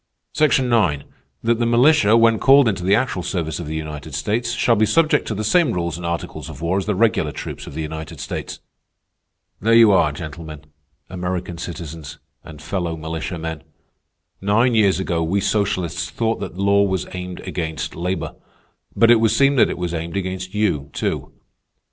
"'Section Nine, that the militia, when called into the actual service of the United States, shall be subject to the same rules and articles of war as the regular troops of the United States.' "There you are gentlemen, American citizens, and fellow militiamen. Nine years ago we socialists thought that law was aimed against labor. But it would seem that it was aimed against you, too.